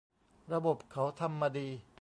ระบบเขาทำมาดี